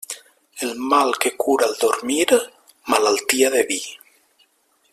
El mal que cura el dormir, malaltia de vi.